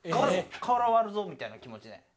瓦割るぞみたいな気持ちで。